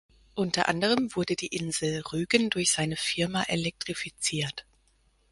Unter anderem wurde die Insel Rügen durch seine Firma elektrifiziert.